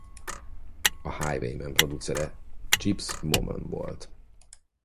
A Highwayman producere Chips Moman volt.